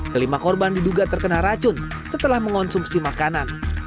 kelima korban diduga terkena racun setelah mengonsumsi makanan